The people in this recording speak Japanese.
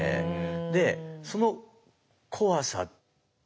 でその怖さ。